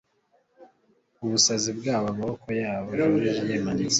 ubusazi bwabo amaboko yabo joriji yimanitse